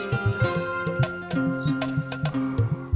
aduh aduh aduh